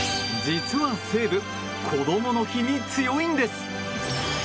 実は西武こどもの日に強いんです。